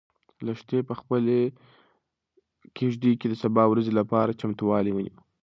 لښتې په خپلې کيږدۍ کې د سبا ورځې لپاره چمتووالی ونیو.